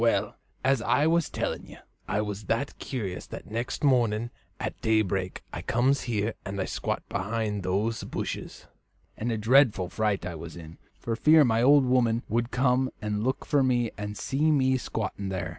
"Well, as I was telling you, I was that curious that next morning at daybreak I comes here and squats behind those bushes, and a dreadful fright I was in for fear my old woman would come and look for me and see me squatting there."